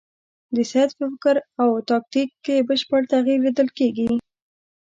د سید په فکر او تاکتیک کې بشپړ تغییر لیدل کېږي.